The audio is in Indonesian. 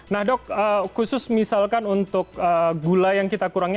nah dok khusus misalkan untuk gula yang kita kurangi